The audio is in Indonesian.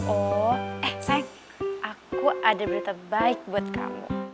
oh eh aku ada berita baik buat kamu